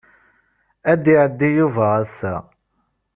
Ad d-iɛeddi Yuba ass-a.